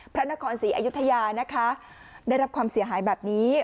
พระนครศรีอยุธยานะคะได้รับความเสียหายแบบนี้